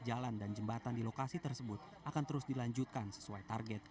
jalan dan jembatan di lokasi tersebut akan terus dilanjutkan sesuai target